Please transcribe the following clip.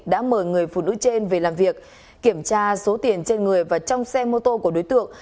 đã mời người phụ nữ trên về làm việc kiểm tra số tiền trên người và trong xe mô tô của đối tượng